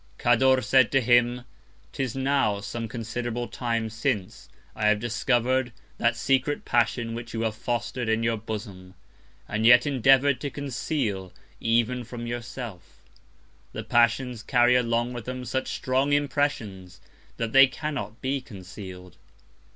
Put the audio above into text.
Cador said to him; 'tis now some considerable Time since, I have discover'd that secret Passion which you have foster'd in your Bosom, and yet endeavour'd to conceal even from your self. The Passions carry along with them such strong Impressions, that they cannot be conceal'd.